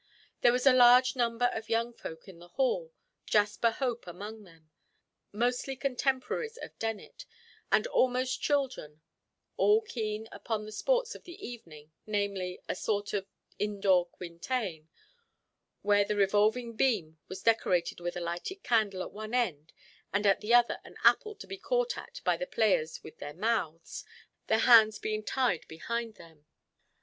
There was a large number of young folk in the hall—Jasper Hope among them—mostly contemporaries of Dennet, and almost children, all keen upon the sports of the evening, namely, a sort of indoor quintain, where the revolving beam was decorated with a lighted candle at one end, and at the other an apple to be caught at by the players with their mouths, their hands being tied behind them.